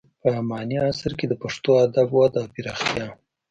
په اماني عصر کې د پښتو ادب وده او پراختیا: